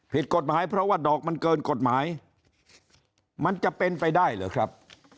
ผิดกฎหมายเพราะว่าดอกมันเกินกฎหมายมันจะเป็นไปได้หรือครับ